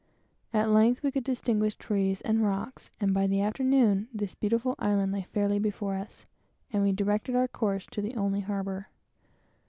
At length we could distinguish trees and rocks; and by the afternoon, this beautiful island lay fairly before us, and we directed our course to the only harbor.